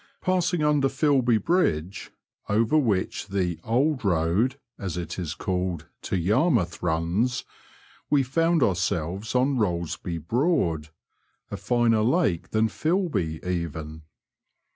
Passing under Filby Bridge, over which ibe ^* Old Boad " (as it is called) to Tarmouth runs, we found ourselves on BoUesby Broad, a finer lake than Filby even.